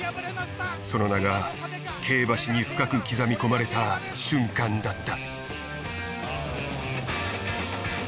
その名が競馬史に深く刻み込まれた瞬間だった。